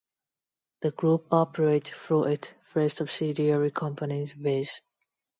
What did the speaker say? The group operates through its three subsidiary companies viz.